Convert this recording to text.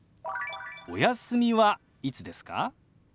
「お休みはいつですか？」。